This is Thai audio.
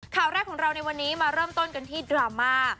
ข่าวแรกของเราในวันนี้มาเริ่มต้นกันที่ดราม่า